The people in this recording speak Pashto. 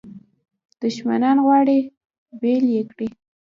دښمنان غواړي بیل یې کړي.